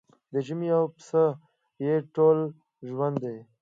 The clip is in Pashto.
د ژمي يو پسه يې ټول ژوند وي.